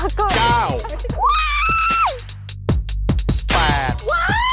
หมดเวลาแล้ว